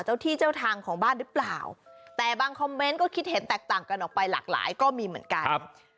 เจ้าที่เจ้าทางของบ้านหรือเปล่าแต่บางคอมเมนต์ก็คิดเห็นแตกต่างกันออกไปหลากหลายก็มีเหมือนกัน